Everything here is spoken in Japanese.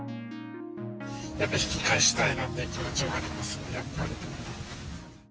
やっぱり引き返したいなって気持ちはありますね、やっぱり。